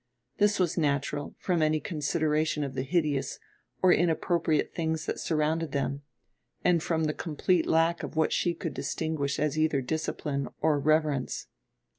This was natural, from any consideration of the hideous or inappropriate things that surrounded them, and from the complete lack of what she could distinguish as either discipline or reverence.